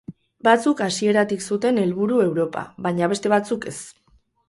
Batzuk hasieratik zuten helburu Europa, baina beste batzuk ez.